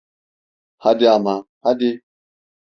Hadi ama, hadi.